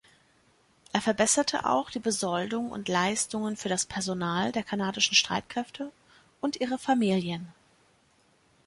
Er verbesserte auch die Besoldung und Leistungen für das Personal der kanadischen Streitkräfte und ihre Familien.